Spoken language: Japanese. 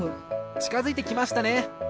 ちかづいてきましたね。